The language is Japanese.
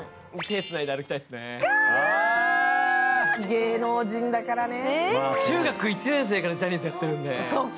芸能人だからね。